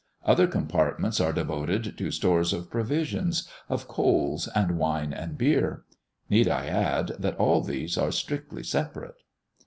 Other compartments are devoted to stores of provisions, of coals, and wine and beer. Need I add, that all these are strictly separate?